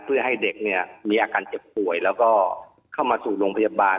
เพื่อให้เด็กเนี่ยมีอาการเจ็บป่วยแล้วก็เข้ามาสู่โรงพยาบาล